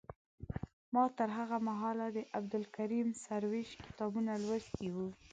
ما تر هغه مهاله د عبدالکریم سروش کتابونه لوستي وو.